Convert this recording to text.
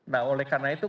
nah karena itu